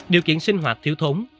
điều kiện sinh hoạt thiếu thốn